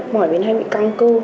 mỏi bên hay bị căng cư